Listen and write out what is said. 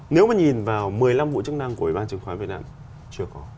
nếu mà nhìn vào một mươi năm vụ chức năng của ủy ban chứng khoán việt nam chưa có